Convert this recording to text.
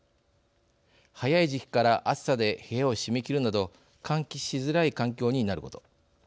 早い時期から暑さで部屋を閉め切るなど換気しづらい環境になること。